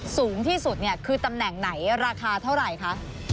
สูงที่สุดเนี่ยคือตำแหน่งไหนราคาเท่าไหร่คะ